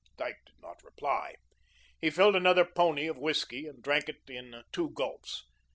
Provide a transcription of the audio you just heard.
Dyke did not reply. He filled another pony of whiskey and drank it in two gulps.